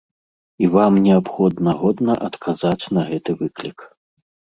І вам неабходна годна адказаць на гэты выклік.